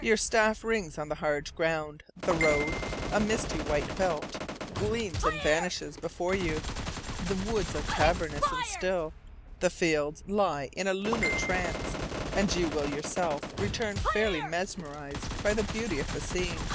Your staff rings on the hard ground; the road, a misty white belt, gleams and vanishes before you; the woods are cavernous and still; the fields lie in a lunar trance, and you will yourself return fairly mesmerized by the beauty of the scene.